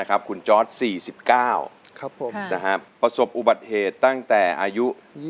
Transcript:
คุณจอร์ด๔๙ประสบอุบัติเหตุตั้งแต่อายุ